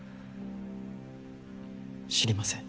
知りません。